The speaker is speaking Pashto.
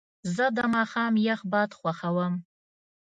زه د ماښام یخ باد خوښوم.